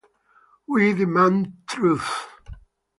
We demand truth.